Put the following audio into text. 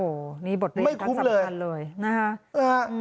โอ้โหนี่บทเรียนทันสำคัญเลยไม่คุ้มเลยนะครับ